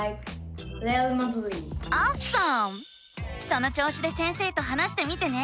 そのちょうしで先生と話してみてね！